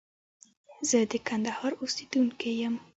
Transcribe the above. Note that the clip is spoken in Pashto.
زه د کندهار اوسيدونکي يم.